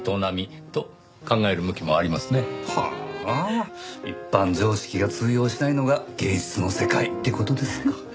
あ一般常識が通用しないのが芸術の世界って事ですか。